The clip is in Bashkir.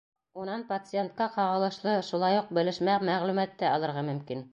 Унан пациентҡа ҡағылышлы, шулай уҡ белешмә мәғлүмәтте алырға мөмкин.